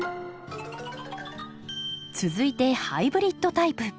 続いてハイブリッドタイプ。